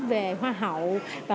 về hoa hậu